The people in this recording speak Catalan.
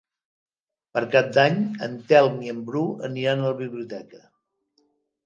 Per Cap d'Any en Telm i en Bru aniran a la biblioteca.